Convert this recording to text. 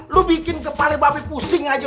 lo bikin kepale mbape pusing aja lo